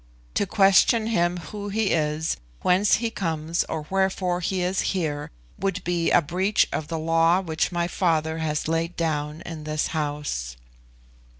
To question him who he is, whence he comes, or wherefore he is here, would be a breach of the law which my father has laid down in this house."